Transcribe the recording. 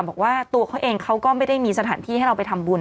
บอกว่าตัวเขาเองเขาก็ไม่ได้มีสถานที่ให้เราไปทำบุญ